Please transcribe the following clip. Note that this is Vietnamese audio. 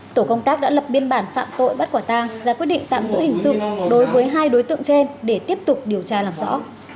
tổ công tác đã lập biên bản phạm tội bắt quả tang ra quyết định tạm giữ hình sự đối với hai đối tượng trên để tiếp tục điều tra làm rõ